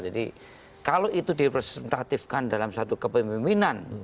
jadi kalau itu dipresentatifkan dalam satu kepemimpinan